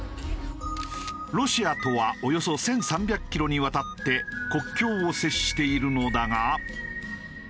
ロシアとはおよそ１３００キロにわたって国境を接しているのだが。